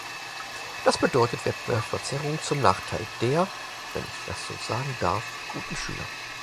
Das bedeutet Wettbewerbsverzerrung zum Nachteil der, wenn ich das so sagen darf, guten Schüler.